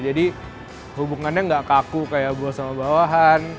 jadi hubungannya gak kaku kayak bos sama bawahan